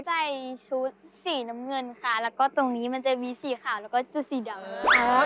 ใส่ชุดสีน้ำเงินค่ะแล้วก็ตรงนี้มันจะมีสีขาวแล้วก็จุดสีดำ